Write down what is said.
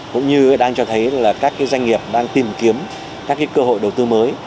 cũng như đang cho thấy là các doanh nghiệp đang tìm kiếm các cơ hội đầu tư mới